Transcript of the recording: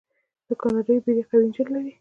دا کاناډایي بیړۍ قوي انجن لري.